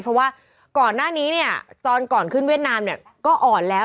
เพราะว่าก่อนหน้านี้เนี่ยตอนก่อนขึ้นเวียดนามเนี่ยก็อ่อนแล้ว